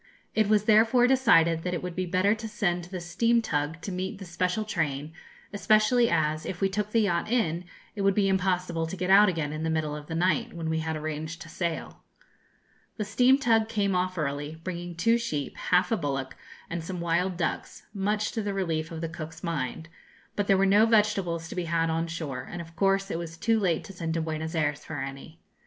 It was therefore decided that it would be better to send the steam tug to meet the special train, especially as, if we took the yacht in, it would be impossible to get out again in the middle of the night, when we had arranged to sail. The steam tug came off early, bringing two sheep, half a bullock, and some wild ducks, much to the relief of the cook's mind; but there were no vegetables to be had on shore, and of course it was too late to send to Buenos Ayres for any.